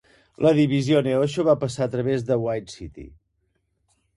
La divisió Neosho va passar a través de White City.